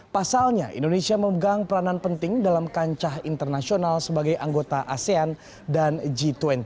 pasalnya indonesia memegang peranan penting dalam kancah internasional sebagai anggota asean dan g dua puluh